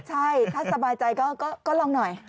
ใช่ถ้าสบายใจก็ลองหน่อย